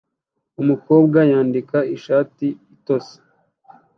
Umukobwa yandika ishati itose